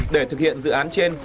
để thực hiện dự án trên